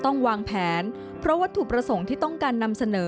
วางแผนเพราะวัตถุประสงค์ที่ต้องการนำเสนอ